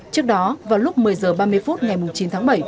trước đó vào lúc một mươi h ba mươi phút ngày chín tháng bảy